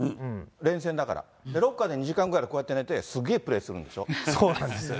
連戦だから、ロッカーで２時間ぐらいこうやって寝て、すげえプレそうなんですよね。